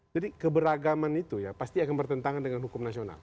jadi keberagaman itu ya pasti akan bertentangan dengan hukum nasional